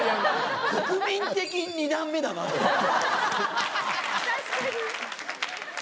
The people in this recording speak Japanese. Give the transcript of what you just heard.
国民的２段目だなって。